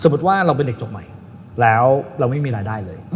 ว่าเราเป็นเด็กจบใหม่แล้วเราไม่มีรายได้เลย